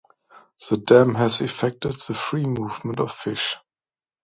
The dam has affected the free movement of fish.